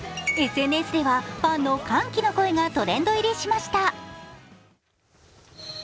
ＳＮＳではファンの歓喜の声がトレンド入りしました。